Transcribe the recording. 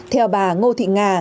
theo bà ngô thị nga